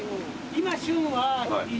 今旬は。